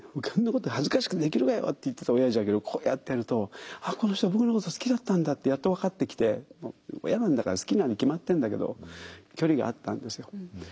「こんなこと恥ずかしくてできるかよ」って言ってたおやじだけどこうやってやると「ああこの人は僕のこと好きだったんだ」ってやっと分かってきて親なんだから好きなのは決まってんだけど距離があったんですよ。